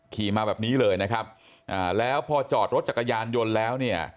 ขี่มาแบบนี้เลยนะครับอ่าแล้วพอจอดรถจักรยานยนต์แล้วเนี่ย